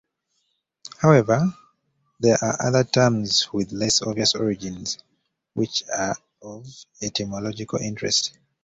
However, there are other terms with less obvious origins, which are of etymological interest.